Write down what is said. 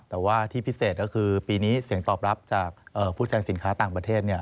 แต่ว่าที่พิเศษก็คือปีนี้เสียงตอบรับจากผู้แทนสินค้าต่างประเทศ